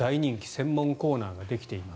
専門コーナーができています。